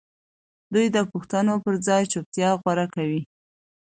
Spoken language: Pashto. دوی د پوښتنو پر ځای چوپتيا غوره کوي.